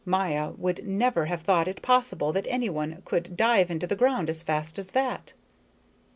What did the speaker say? Maya would never have thought it possible that anyone could dive into the ground as fast as that.